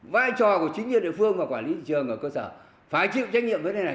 vai trò của chính quyền địa phương và quản lý thị trường ở cơ sở phải chịu trách nhiệm với thế này